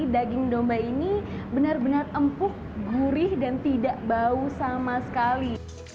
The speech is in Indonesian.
daging domba ini benar benar empuk gurih dan tidak bau sama sekali